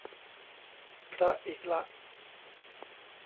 พระอีกละ